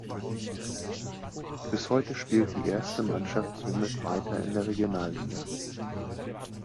Bis heute spielt die erste Mannschaft somit weiter in der Regionalliga.